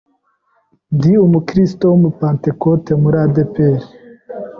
ndi umukristo w’umupantekote muri ADEPR.